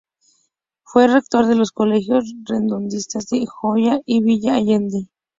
Fue rector de los colegios redentoristas de Goya y Villa Allende.